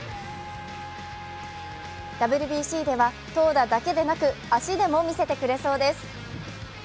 ＷＢＣでは投打だけでなく足でも見せてくれそうです。